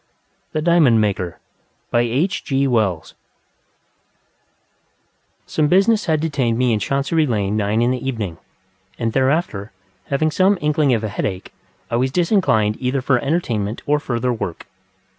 THE DIAMOND MAKER Some business had detained me in Chancery Lane until nine in the evening, and thereafter, having some inkling of a headache, I was disinclined either for entertainment or further work.